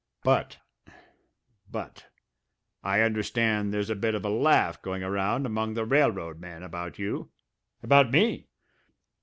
But but I understand there's a bit of a laugh going around among the railroad men about you." "About me?"